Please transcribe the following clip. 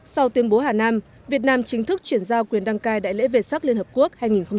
sau tuyên bố hà nam việt nam chính thức chuyển giao quyền đăng cai đại lễ việt sắc liên hợp quốc hai nghìn hai mươi